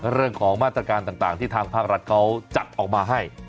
เรื่องของมาตรการต่างที่ทางภาครัฐเขาจัดออกมาให้